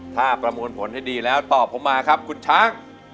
ถ้าประมวลผลให้ดีแล้วตอบผมมาครับคุณช้าง